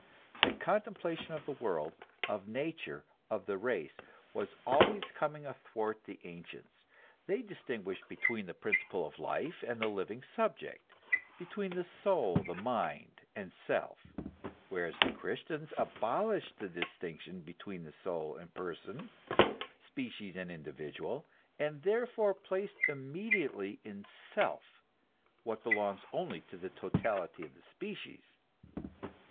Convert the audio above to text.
The contemplation of the world, of Nature, of the THE CHRISTIAN HEAVEN. ]?1 race, was always coming athwart the ancients ; they distin guished between the principle of life and the living subject, between the soul, the mind, and self: whereas the Christian abolished the distinction between soul and person, species and individual, and therefore placed immediately in self what belongs only to the totality of the species.